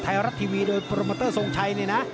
ไทยรัฐทีวีโดยปรมเตอร์สงชัย